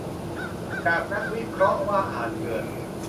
จากนักวิเคราะห์ว่าอาจเกิด